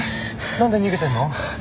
なんで逃げてんの？